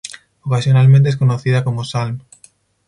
Ocasionalmente es conocida como Salm.